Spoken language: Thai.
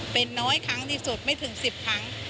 เป็นน้อยครั้งที่สุดไม่ถึง๑๐ครั้ง